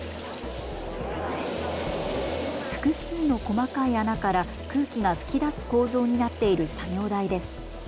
複数の細かい穴から空気が吹き出す構造になっている作業台です。